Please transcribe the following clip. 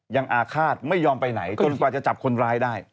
อาฆาตไม่ยอมไปไหนจนกว่าจะจับคนร้ายได้